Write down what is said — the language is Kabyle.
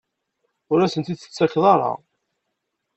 Ur asen-t-id-tettakeḍ ara?